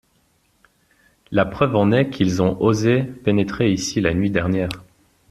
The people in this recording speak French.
La preuve en est qu'ils ont osé pénétrer ici la nuit dernière.